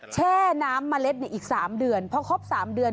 แช่น้ำเมล็ดอีก๓เดือน